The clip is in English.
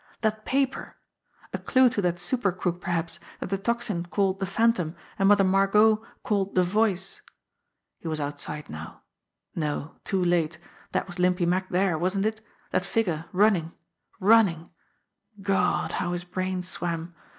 That paper ! A clue to that super crook perhaps, that the Tocsin called the Phantom, and Mother Margot called the Voice ! He was outside now. No, not too late ! That was Limpy Mack there, wasn't it ? That figure running, running ! God, how his brain swam